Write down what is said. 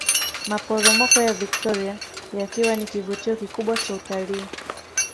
Maporomoko ya Viktoria yakiwa ni kivutio kikubwa cha utalii